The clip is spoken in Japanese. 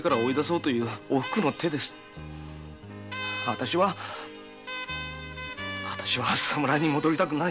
私は私は侍に戻りたくない。